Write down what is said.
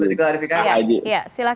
ya silakan mas fadoko